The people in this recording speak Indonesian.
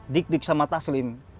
dik dik sama taslim